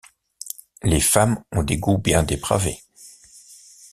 Les femmes ont des goûts bien dépravés!